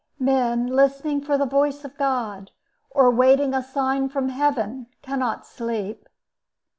Men listening for the voice of God, or waiting a sign from Heaven, cannot sleep.